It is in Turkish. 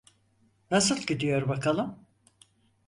Nasıl gidiyor bakalım?